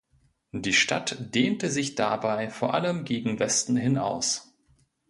Die Stadt dehnte sich dabei vor allem gegen Westen hin aus.